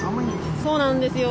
そうなんですよ。